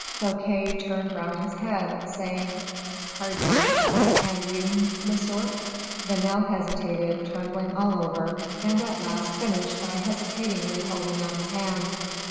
Fouquet turned round his head, saying, "Pardieu, and you, monsieur?" Vanel hesitated, trembled all over, and at last finished by hesitatingly holding out his hand.